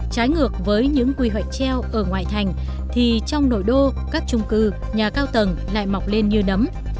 trái ngược với những quy hoạch treo ở ngoại thành thì trong nội đô các trung cư nhà cao tầng lại mọc lên như nấm